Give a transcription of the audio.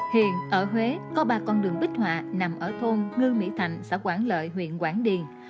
hiện ở huế có ba con đường bích họa nằm ở thôn ngư mỹ thành xã quảng lợi huyện quảng điền